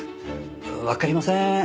わかりません。